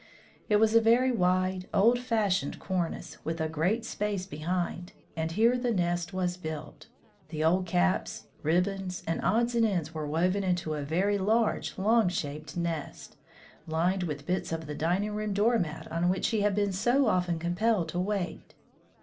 It was a very wide, old fashioned cornice, with a great space behind, and here the nest was built. The old caps, ribbons, and odds and ends were woven into a very large, long shaped nest, lined with bits of the dining room door mat on which he had been so often compelled to wait.